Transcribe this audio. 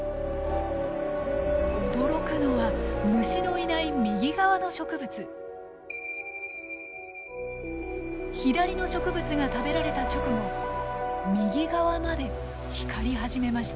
驚くのは虫のいない右側の植物左の植物が食べられた直後右側まで光り始めました